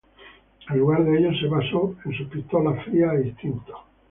En lugar de ello se basó en sus pistolas frías e instintos.